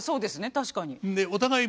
確かに。